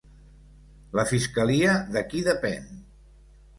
La fiscalia de qui depèn?